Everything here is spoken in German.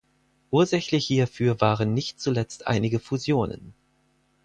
Ursächlich hierfür waren nicht zuletzt einige Fusionen.